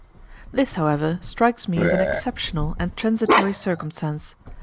This, however, strikes me as an exceptional and transitory circumstance.